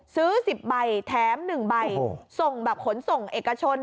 ซื้อ๑๐ใบแถม๑ใบส่งแบบขนส่งเอกชน